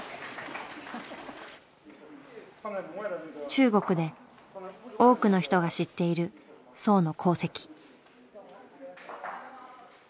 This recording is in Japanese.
中国で多くの人が知っている荘の功績。